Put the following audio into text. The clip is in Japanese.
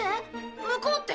向こうって？